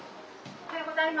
・おはようございます。